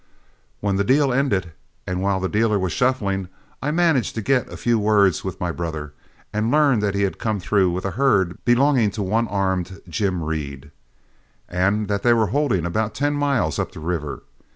When the deal ended and while the dealer was shuffling, I managed to get a few words with my brother, and learned that he had come through with a herd belonging to one armed Jim Reed, and that they were holding about ten miles up the river.